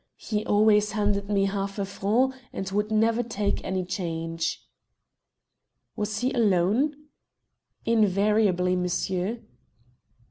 He always handed me half a franc and would never take any change." "Was he alone?" "Invariably, monsieur."